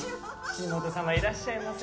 岸本様いらっしゃいませ。